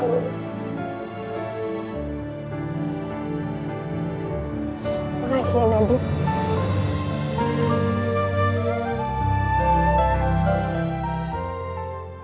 makasih ya nadia